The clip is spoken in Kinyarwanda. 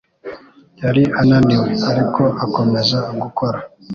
Yari ananiwe, ariko akomeza gukora.